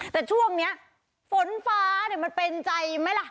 แต่ช่วงนี้ฝนฟ้ามันเป็นใจไหมล่ะ